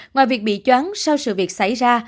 ngoài việc bị chóng sau sự việc xảy ra